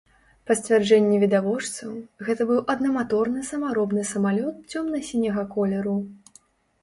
Па сцвярджэнні відавочцаў, гэта быў аднаматорны самаробны самалёт цёмна-сіняга колеру.